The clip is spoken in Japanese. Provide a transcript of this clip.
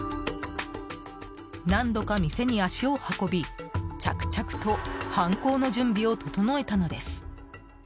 何度か店に足を運び着々と犯行の準備を整えたのです。